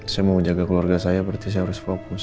saya mau menjaga keluarga saya berarti saya harus fokus